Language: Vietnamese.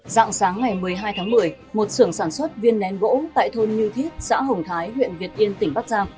dạng sáng ngày một mươi hai tháng một mươi một sưởng sản xuất viên nén gỗ tại thôn như thiết xã hồng thái huyện việt yên tỉnh bắc giang